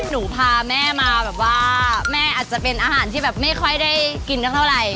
หนูพาแม่มาแบบว่าแม่อาจจะเป็นอาหารที่แบบไม่ค่อยได้กินสักเท่าไหร่